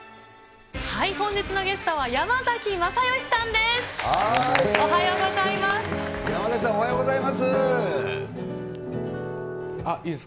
本日のゲストは、山崎まさよしさんです。